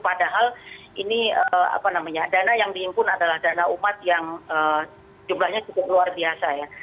padahal ini dana yang diimpun adalah dana umat yang jumlahnya cukup luar biasa ya